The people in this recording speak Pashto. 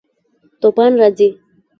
توپان راځي